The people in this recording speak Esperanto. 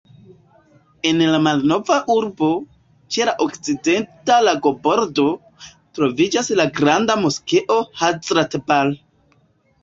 En la malnova urbo, ĉe la okcidenta lagobordo, troviĝas la granda moskeo Hazrat-Bal.